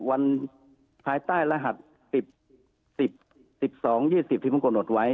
วันภายใต้รหัส๑๐๑๒๒๐ที่มันกำหนดไว้